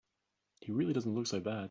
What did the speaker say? He really doesn't look so bad.